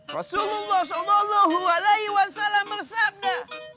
rasulullah saw bersabda